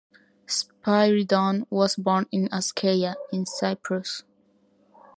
Spyridon was born in Askeia, in Cyprus.